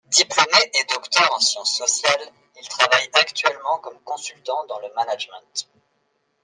Diplômé et docteur en sciences sociales, il travaille actuellement comme consultant dans le management.